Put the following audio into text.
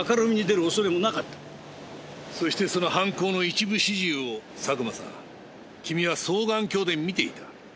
そしてその犯行の一部始終を佐久間さん君は双眼鏡で見ていた。